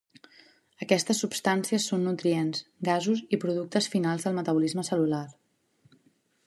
Aquestes substàncies són nutrients, gasos i productes finals del metabolisme cel·lular.